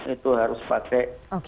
itu harus pakai